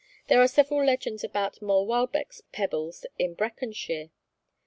There are several legends about Mol Walbec's pebbles in Breconshire.